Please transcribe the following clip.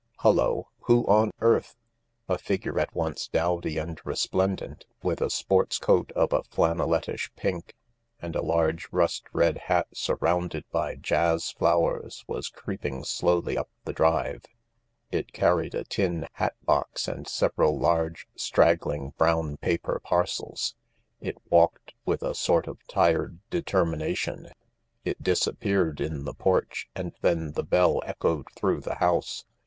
Hullo ... who on earth ..." A figure at once dowdy and resplendent, with a sports coat of a flannellettish pink and a large rust red hat surrounded by jazz flowers was creeping slowly up the drive. It carried a tin hat box and several large, straggling brown paper parcels. It walked with a sort of tired determination ; it disappeared in the porch and then the bell echoed through the house.